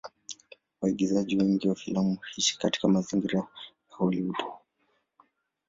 Waigizaji wengi wa filamu huishi katika mazingira ya Hollywood.